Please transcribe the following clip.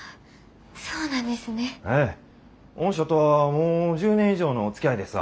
御社とはもう１０年以上のおつきあいですわ。